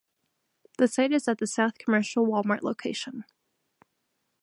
The site is at the South Commercial Wal-Mart location.